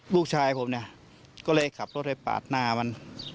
ลูกชายผมเนี่ยก็เลยขับรถไปปาดหน้ามัน